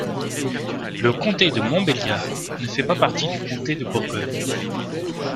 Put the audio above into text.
Le comté de Montbéliard ne fait pas partie du comté de Bourgogne.